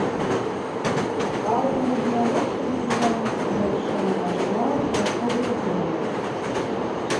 Аўтары ж найлепшага дызайнерскага рашэння атрымаюць грашовую прэмію.